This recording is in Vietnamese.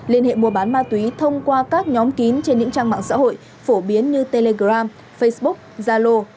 liên hệ mua bán ma túy thông qua các nhóm kín trên những trang mạng xã hội phổ biến như telegram facebook zalo